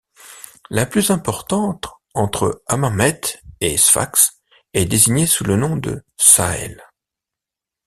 La plus importante, entre Hammamet et Sfax, est désignée sous le nom de Sahel.